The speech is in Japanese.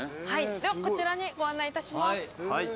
ではこちらにご案内いたします。